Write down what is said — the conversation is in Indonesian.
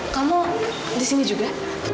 kamu di sini juga